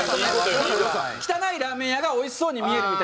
汚いラーメン屋がおいしそうに見えるみたいな。